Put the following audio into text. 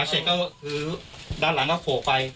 จับบูเรลไงของลูก